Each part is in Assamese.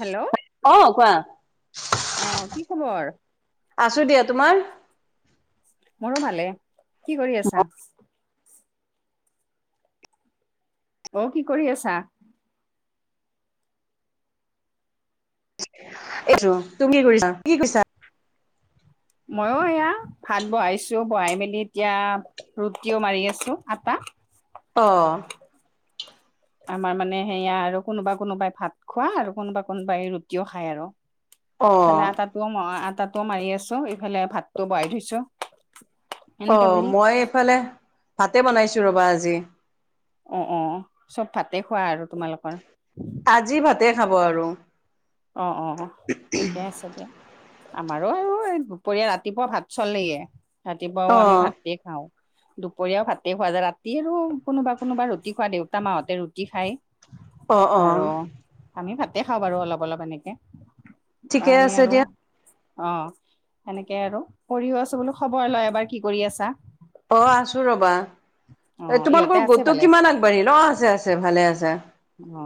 হেল্ল অ, কোৱা। অ, কি খবৰ? আছো দিয়া, তোমাৰ? মৰো ভালে। কি কৰি আছা? অ কি কৰি আছা? এইটো তুমি কি কৰিছা? কি কৰছা? মইও এয়া ভাত বহাইছো। বহাই মেলি এতিয়া ৰুটিও মাৰি আছো, আটা। অ। আমাৰ মানে সেয়া আৰু কোনোবা কোনোবাই ভাত খোৱা আৰু কোনোবা কোনোবাই ৰুটিও খায় আৰু। অ এফালে আটাটোও আটাটোও মাৰি আছো, ইফালে ভাতটো বহাই থৈছো। অ এনেকে বুলি মই এইফালে ভাতে বনাইছো ৰ'বা আজি। অ, অ চব ভাতে খোৱা আৰু তোমালোকৰ। আজি ভাতে খাব আৰু। অ, অ, অ, ঠিকে আছে দিয়া। আমাৰো এই দুপৰীয়া ৰাতিপুৱা ভাত চলেয়ে। ৰাতিপুৱাও অ আমি ভাতেই খাওঁ। দুপৰীয়াও ভাতে খোৱা যায়। ৰাতি আৰু কোনোবা কোনোবা ৰুটি খোৱা, দেউতা-মাহঁতে ৰুটি খায়। অ অ আৰু আমি ভাতে খাওঁ বাৰু অলপ অলপ এনেকে। ঠিকে কাৰণে আছে আৰু দিয়া অ সেনেকে আৰু কৰিও আছো বোলো খবৰে লও এবাৰ কি কৰি আছা। অঁ আছোঁ ৰ'বা। অ এই ইহঁতে তোমালোকৰ আছে গোটটো ভালে কিমান আগবাঢ়িল? অ আছে আছে ভালে আছে। অ।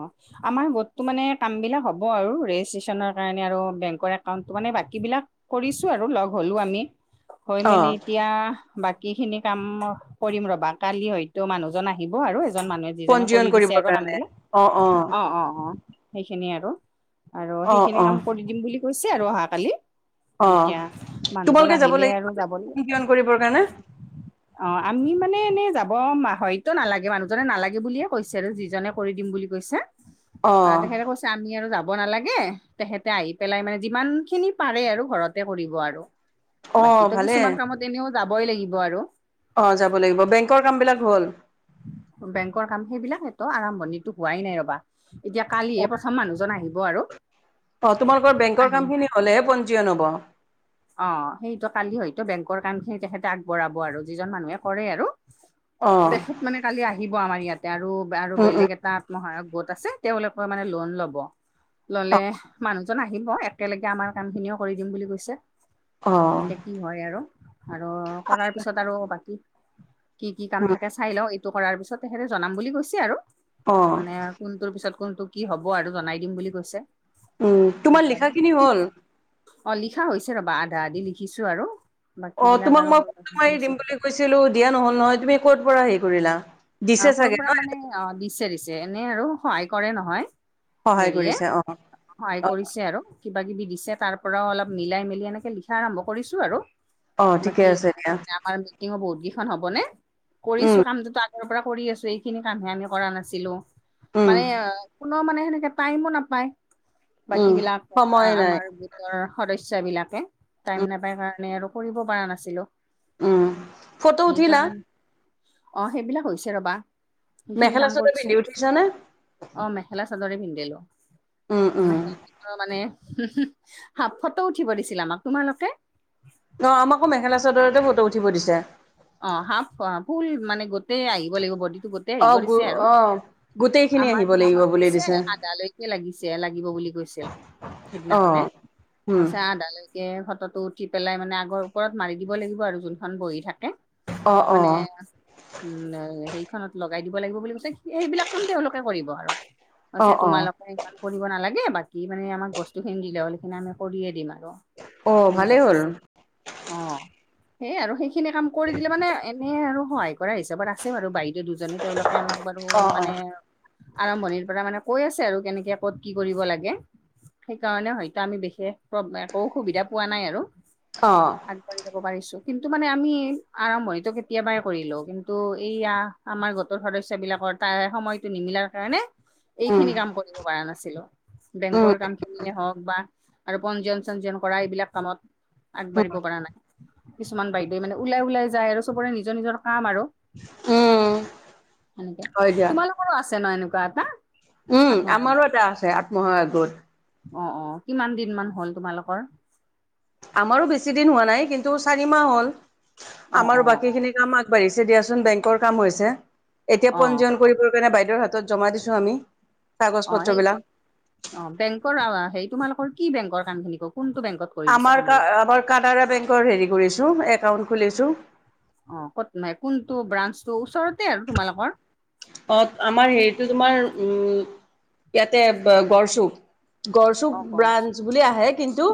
আমাৰ গোটটো মানে কাম বিলাক হ'ব আৰু ৰেজিষ্ট্ৰেচনৰ কাৰণে আৰু বেংকৰ একাউণ্টটো মানে বাকী বিলাক কৰিছো আৰু লগ হ'লো আমি, হৈ অ মেলি এতিয়া বাকী খিনি কাম কৰিম মই ৰ'বা। কালি হয়তো মানুহজন আহিব আৰু এজন মানুহে যিজনে পঞ্জীয়ন কৰি দিছে কৰিবৰ আৰু কাৰণে কামবিলাক। অ অ, অ, অ সেইখিনি আৰু আৰু অ অ সেইখিনি কাম কৰি দিম বুলি কৈছে আৰু অহাকালি। অ এতিয়া মানুহজন তোমালোকে যাব আহিলে লাগিব আৰু যাব [unintelligible] পঞ্জীয়ন কৰিবৰ কাৰণে অ আমি মানে এনে যাব হয়তো নালাগে, মানুহজনে নালাগে বুলিয়ে কৈছে আৰু যিজনে কৰি দিম বুলি কৈছে। অ তেখেতে কৈছ আমি আৰু যাব নালাগে। তেখেতে আহি পেলাই মানে যিমানখিনি পাৰে আৰু ঘৰতে কৰিব আৰু। অ বাকীটো ভালে কিছুমান কামত এনেও যাবই লাগিব আৰু। অ যাব লাগিব। বেংকৰ কামবিলাক হ'ল? বেংকৰ কাম সেইবিলাক সেইটো আৰম্ভণিটো হোৱাই নাই ৰ'বা। এতিয়া অ কালিহে প্ৰথম মানুহজন আহিব আৰু। অ তোমালোকৰ বেংকৰ আহিম কামখিনি হ'লেহে পঞ্জীয়ন হ'ব। অ সেইটো কালি হয়তো বেংকৰ কাম খিনি তেখেতে আগবঢ়াব আৰু যিজন মানুহে কৰে আৰু। অ দেখেত মানে কালি আহিব আমাৰ ইয়াতে আৰু আৰু উম উম বেলেগ এটা। মহায়ক গত আছে তেওঁলোকৰ মানে লোন ল'ব ল'লে মানুহজন আহি। আহিব একেলগে আমাৰ কামখিনিও কৰি দিম বুলি কৈছে। অ'হ। এতিয়া কি হয় আৰু আৰু কৰাৰ পিছত আৰু বাকী কি কি কাম উম থাকে চাই লওঁ। টো কৰাৰ পিছত তেখেতে জনাম বুলি গৈছে আৰু অ মানে। কোনটোৰ পিছত কোনটো কি হ'ব আৰু জনাই দিম বুলি কৈছে উম তোমাৰ এনেকে লিখা আৰু। খিনি হ'ল অ লিখা হৈছে ৰবা আধা আধি লিখিছো আৰু। বাকী অ বিলাক তোমাক আৰু মই ফটো লিখি মাৰি দিম আছো বুলি কৈছিলো দিয়া নহল নহয় তুমি ক'ত পৰা হেৰি কৰিলা। অ দিছে ক'ৰ চাগে পৰা ন মানে অ দিছে দিছে এনে আৰু সহায় কৰে নহয়। সহায় হেৰিয়ে। কৰিছে অ সহায় অ কৰিছে আৰু কিবা কিবি দিছে তাৰ পৰাও অলপ মিলাই মেলি এনেকে লিখা আৰম্ভ কৰিছো আৰু। অ ঠিকে আছে দিয়া। টিঙ বহুত কেইখন হ'বনে কৰিছো উম কামটো তাত। পুৱাৰ পৰা কৰি আছো এইখিনি কামহে আমি কৰা নাছিলো উম মানে। কোন মানে সেনেকে টাইমো নাপায় বাকী উম বিলাক সময় নাই আমাৰ গোট ৰ সদস্যয়া বিলাকে টাইম উম নাপাই কাৰণে আৰু কৰিব পৰা নাছিলো। উম ফটো উঠিলা সেইকাৰণ অ সেইবিলাক হৈছে ৰবা। সেইখিনি মেখেলা কাম চাদৰ কৰিছো পিন্ধি উঠিছানে। অ মেখেলা চাদৰে পিন্ধিলো উম উম মেখা। ত মানে হো হো হাফ ফটো উঠিব দিছিল আমাক তোমালোকে। অ আমাকো মেখেলা চাদৰতে ফটো উঠিব দিছে। অ হাফ ফুল মানে গোটেই আহিব লাগিব বডিটো। অ, আহিব গো দিছে আৰু অ। গোটেইখিনি আমাৰ আহিব মিজে লাগিব বুলি কৈছে দিছে আদালৈকে লাগিছে লাগিব বুলি কৈছিল। সিদিনাখনে অ', তাৰ উম, পিছত আদা লৈ কে খতটো উঠি পেলাই মানে আগৰ ওপৰত মাৰি দিব লাগিব আৰু যোনখন বহি থাকে। অ', মানে। অ', উম সেইখনত লগাই দিব লাগিব বুলি কৈছে। সেইবিলাক কাম তেওঁলোকে কৰিব আৰু। কৈছে অ', অ', তোমালোকে ইমান কৰিব নালাগে বাকী মানে আমাক বস্তুখিনি দিলে হ'ল‌ এখিনি আমি কৰিয়ে দিম আৰু। অ', সেনেকে ভালেই হ'ল। কৈছে অ সেই আৰু সেইখিনি কাম কৰি দিলে মানে। এনেই আৰু সহায় কৰা হিচাপত আছে বাৰু বাইদেউ দুজনী তেওঁলোকে আমাক বাৰু অ', মানে। অ', আৰম্ভণিৰ পৰা মানে কৈ আছে আৰু কেনেকে ক'ত কি কৰিব লাগে। সেইকাৰণে হয়তো আমি বিশেষ একোসুবিধা পোৱা নাই আৰু। অ। আগবাঢ়ি যাব পাৰিছো কিন্তু মানে আমি আৰম্ভণিটো কেতিয়াবাই কৰিলো কিন্তু এইয়া আমাৰ গোটৰ সদস্য বিলাকৰ তাৰে সময়টো নিমিলা কাৰণে উম, এইখিনি কাম কৰিব পৰা নাছিলো। উম, বেংকৰ কাম খিনিয়ে হওক বা আৰু পঞ্জীয়ন চঞ্জীয়ন কৰা এইবিলাক কামত উম, আগবাঢ়িব পৰা নাই কিছুমান বাইদেৱে মানে ওলাই ওলাই যায় আৰু সবৰে নিজৰ নিজৰ কাম আৰু উম, সেনেকে হয় দিয়া। তোমালোকৰো আছে ন এনেকুৱা এটা। উম, আত্মসহায়ক আমাৰো এটা আছে আত্মসহায়ক গোট। অ, অ কিমান দিন মান হল তোমালোকৰ? আমাৰো বেছি দিন হোৱা নাই কিন্তু চাৰি মাহ হল অ আমাৰো অ বাকী খিনি কাম আগ বাৰিছে দিয়াচোন বেংকৰ কাম হৈছে এতিয়া অ পঞ্জীয়ন কৰিবৰ কাৰণে বাইদেউৰ হাতত জমা দিছো আমি। কাগজ অ, সেই পত্ৰবিলাক। অ, বেংকৰ আৱা সেই তোমালোকৰ কি বেংকৰ কামখিনি ক কোনটো বেংকত কৰি দিছে আমাৰ কাম কা বিলাক আমাৰ কানাড়া বেংকৰ হেৰি কৰিছোঁ একাউণ্ট খুলিছোঁ। অ, ক'ত কোনটো ব্ৰাঞ্চটো ওচৰতে আৰু তোমালোকৰ? অ, আমাৰ হেৰিটো তোমাৰ উম ইয়াতে গড় চুপ। গড়চুক অ বছ ব্ৰাঞ্চ বুলি আহে কিন্তু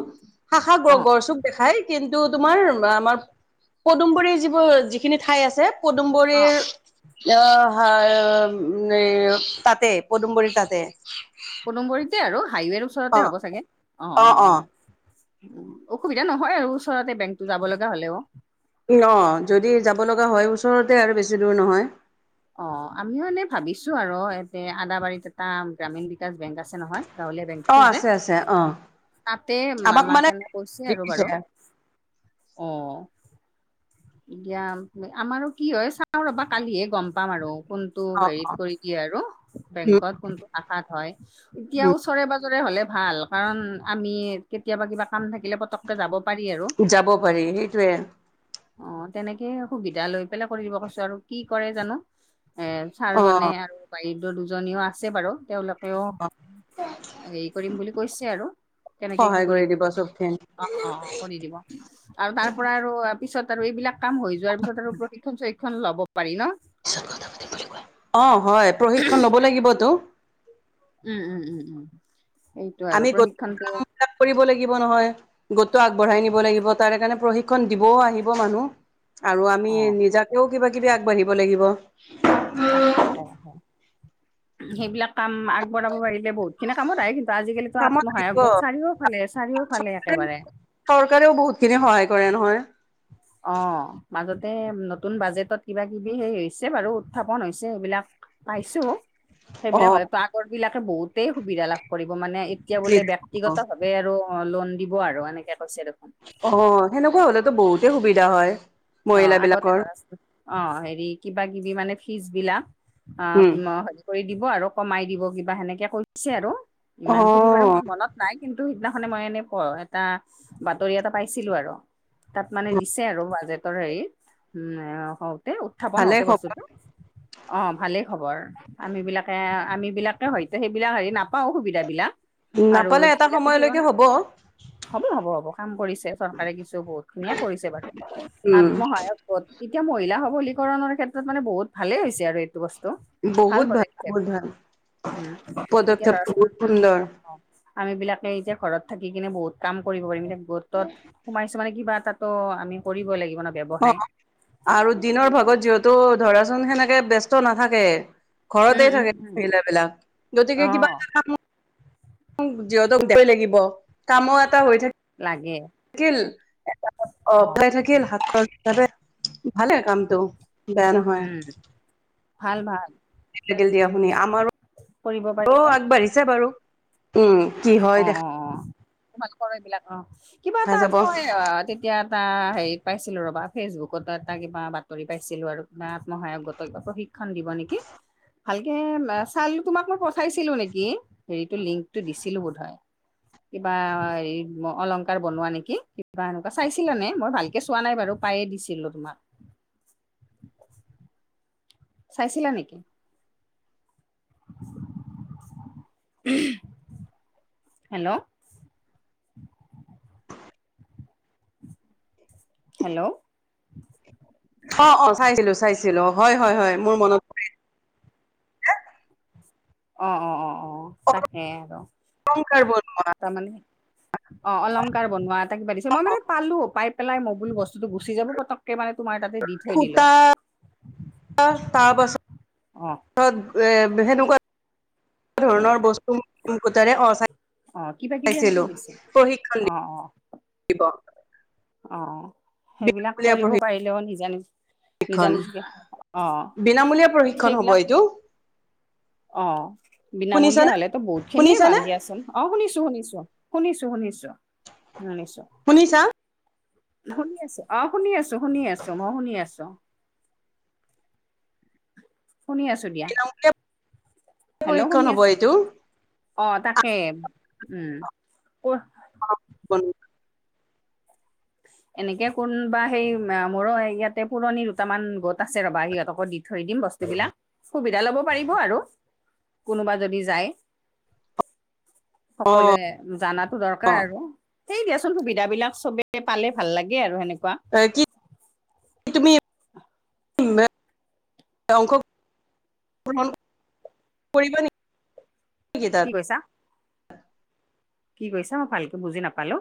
শাখা অ গ- গড়চুপ দেখাই কিন্তু তোমাৰ আমাৰ পদুমবোৰী যিবোৰ যিখিনি ঠাই আছে পদুমবোৰী অ অ [unintelligible] তাতে পদুমবোৰীৰ তাতে পদুমবোৰীত যে আৰু হাইৱেৰ অ ওচৰতে হ'ব চাগে অ', অ', অ',। উম, অসুবিধা নহয় আৰু ওচৰতে বেংকতো যাব লগা হ'লেও। ই, অ, যদি যাব লগা হয় ওচৰতে আৰু বেছি দূৰ নহয়। অ, আমিও এনে ভাবিছোঁ আৰু এতে আদাবাৰীত এটা গ্ৰামীণ বিকাশ বেংক আছে নহয় গাঁৱলীয়া অ বেংকটো যে আছে আছে অ তাতে আমাক আমাৰ মানে কাৰণে কৈছে আৰু দিছে বাৰু অ', দিয়া আমাৰো কি হয় চাও ৰবা কালিহে গম পাম আৰু কোন টো অ হেৰিত কৰি দিয়ে আৰু উ বেংকত কোনটো আকাত হয়। এতিয়া উ ওচৰে- পাজৰে হ'লে ভাল কাৰণ আমি কেতিয়াবা কিবা কাম থাকিলে পতককে যাব পাৰি আৰু। যাব পাৰি সেইটোৱে। অহ, তেনেকে সুবিধা লৈ পেলাই কৰি দিব কৈছো আৰু কি কৰে জানো এ ছাৰজনে অ আৰু পাই দ' দুজনীও আছে বাৰু তেওঁলোকেও হেৰি কৰিম বুলি কৈছে আৰু কেনেকে কি সহায় কৰি কৰিব দিব পাৰি। চবখিনি অ', অ', অ', কৰি দিব আৰু তাৰ পৰা আৰু পিছত আৰু এইবিলাক কাম হৈ যোৱাৰ পিছত আৰু প্ৰশিক্ষণ- চশিক্ষন লব পাৰি ন? পিছত কথা পাতিম বোলে। অ, হয় প্ৰশিক্ষণ লব লাগিবতো। উম -উম-উম-উম এই আমি গোটটোৰ কামবিলাক কৰিব লাগিব নহয়। গোটটো আগবঢ়াই নিব লাগিব তাৰে কাৰণে প্ৰশিক্ষণ দিবও আহিব মানুহ। আৰু আমি অ'। নিজাকেও কিবা -কিবি আগবাঢ়িব লাগিব। তাক [unintelligible] সেইবিলাক কাম আগবঢ়াব পাৰিলে বহুত সেইখিনি কামত আহে কিন্তু আজি কালিতো কামত লাগিব আত্মসহায়ক গোট চাৰিওালে- চাৰিওফালে একেবাৰে। চৰকাৰেও বহুত খিনি সহায় কৰে নহয়? অ, মাজতে নতুন বাজেটত কিবা কিবি হেই হৈছে বাৰু উত্থাপন হৈছে এইবিলাক পাইছো অ সেইবিলাক হ'লেতো আগৰ বিলাকে বহুতেই সুবিধা লাভ কৰিব মানে এ এতিয়া বোলে ব্যক্তিগত ভাৱে আৰু অ, লোন দিব আৰু এনেকে কৈছে দেখোন। অ, সেনেকুৱা হ'লেতো বহুতে সুবিধা হয়। অ, মহিলা আগতে বিলাকৰ ধৰাছো অ, হেৰি কিবা কিবি মানে ফিছ বিলাক অ, উম [unintelligible] কৰি দিব আৰু কমাই দিব কিবা সেনেকে কৈছে আৰু অ ইমান খিনি বাৰু মোৰ মনত নাই কিন্তু সিদিনাখনে মই এনে প এটা বাতৰি এটা পাইছিলো আৰু। তাত মানে দিছে আৰু বাজেটৰ হেৰি উম, হওঁতে উত উত্থাপন ভালে হওঁতে খবৰ বস্তুটো অ, ভালেই হব আৰ। আম বিলাকে -আম বিলাকে হয়তো সেইবিলাক হেৰি নাপাও সুবিধা বিলাক। উম, নাপালে এটা সময়লৈকে হব। হব- হব- হব কাম কৰিছে চৰকাৰে কিছু বহুত খিনিয়ে কৰিছে বাৰু। উম আত্মসায়ক গোট এতিয়া মহিলা সবলীকৰণৰ ক্ষেত্ৰত মানে বহুত ভালে হৈছে আৰু এইটো বস্তু। বহুত ভাল- বহুত ভাল উম এতিয়া পদক্ষেপ ধৰাচোন বহুত সুন্দৰ। অ আমি বিলাকে এতিয়া ঘৰত থাকি কিনে বহুত কাম কৰিব পাৰিম এতিয়া গোটত সোমাইছো মানে কিবা এটাত ত' আমি কৰিব লাগি অ, আৰু দিনৰ ভাগত যিহেতু ধৰাচোন সেনেকে ব্যস্ত নাথাকে উম ঘৰতে উম থাকে উম মহিলা বিলাক গতিকে অ কিবা এটা কাম যিহতক [unintelligible] লাগিব কামো এটা হৈ থাকি লাগে। কিল অ, পায় থাকিল হাত খৰচ হিচাপে ভালে কামটো। বেয়া নহয় উম, ভাল-ভাল। লাগিল দিয়া শুনি আমাৰো পাৰিলে আগবাঢ়িছে বাৰু উম, কি অ হয় দেখা অ অ তোমালোকৰ এইবিলাক অ' কিবা দেখা এটা যাব। আজি মই আ এতিয়া এটা হেৰিত পাইছিলোঁ ৰ'বা। ফেচবুকতো এটা কিবা বাতৰি পাইছিলো। আৰু কিবা আত্মসহায়ক গোত কিবা প্ৰশিক্ষ প্ৰশিক্ষন দিব নেকি? ভালকে চাল তোমাক মই পঠাইছিলো নেকি? হেৰিতটো লিংক টো দিছিলো বহু হয়। কিবা হেৰি অলংকাৰ বনোৱা নেকি কিবা সেনেকুৱা চাই চিলানে মই ভালকে চোৱা নাই বাৰু পায়ে দিছিলো তোমাক। চাই চিলা নেকি? হেলো! হেলো! অ', অ' চাইছিলো-চাইছিলো, হয়-হয়-হয় মোৰ মনত পৰি অ', অ, অ, অ' তাকে আৰু অলংকাৰ বনোৱা তাৰমানে অ' অলংকাৰ বনোৱা এটা কিবা দিছে। মই মানে পালো পাই পেলাই মই বোলো বস্তুতটো গুচি যাব পতক তাতে মানে তোমাৰ তাতে দি থৈ দিলো সূতা অ'। তাৰ পিচত এ সেনেকুৱা ধৰণৰ বস্তু [unintelligible] অ কিবা কিবি এনেকে চাইছিলো দিছে প্ৰশিক্ষণ অ অ দিব। অ' সেইবিলাক বিনামূলীয়া কৰিব পাৰিলেও নিজে-নিজে নিজা প্ৰশিক্ষণ নিজিকে অ', বিনামূলীয়া প্ৰশিক্ষণ হব সেইবিলাক এইটো অ' বিনামূলীয়া শুনিছানে হলেতো বহুত খিনিয়ে ভাল শুনিছানে দিয়াচোন। অ' শুনিছোঁ-শুনিছোঁ, শুনিছোঁ, শুনিছোঁ, শুনিছোঁ। শুনিছা? শুনি আছোঁ, অ' শুনি আছোঁ, শুনি আছোঁ মই শুনি আছোঁ। শুনি আছোঁ দিয়া, বিনামূলীয়া হেলো প্ৰশিক্ষণ শুনি হব আছোঁ এইটো অ' তাকে উম কৰ অ' [unintelligible] এনেকে কোনোবা সেই মোৰো ইয়াতে পুৰণি দুটামান গোট আছে ৰবা সিহঁতকো দি থৈ দিম বস্তুবিলাক সুবিধা ল'ব পাৰিব আৰু কোনোবা যদি যায়। অ সকলোৱে জানাতো দৰকাৰ আৰু সেই দিয়াচোন সুবিধা বিলাক চবে পালে, ভাল লাগে আৰু সেনেকুৱা। কি কি তুমি [unintelligible] অংশ [unintelligible] কৰিবা নেকি তাত? কি কৈছা? কি কৈছা মই ভালকে বুজি নাপালো।